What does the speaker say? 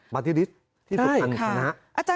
มาที่นี่ที่นี่เขาขนาด